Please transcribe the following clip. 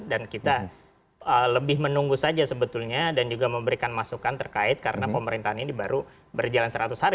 dan kita lebih menunggu saja sebetulnya dan juga memberikan masukan terkait karena pemerintahan ini baru berjalan seratus hari